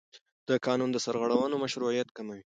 د قانون سرغړونه مشروعیت کموي